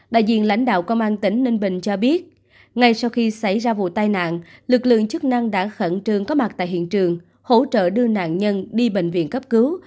đại diện lãnh đạo công an tỉnh ninh bình cho biết ngay sau khi xảy ra vụ tai nạn lực lượng chức năng đã khẩn trương có mặt tại hiện trường hỗ trợ đưa nạn nhân đi bệnh viện cấp cứu